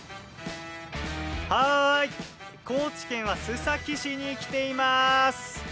高知県は須崎市に来ています。